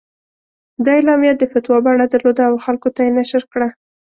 دا اعلامیه د فتوا بڼه درلوده او خلکو ته یې نشر کړه.